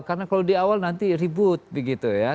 karena kalau di awal nanti ribut begitu ya